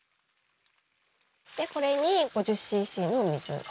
でこれに５０ｃｃの水。